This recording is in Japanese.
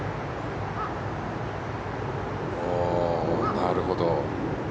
なるほど。